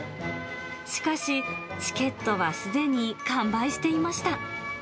しかし、チケットはすでに完売していました。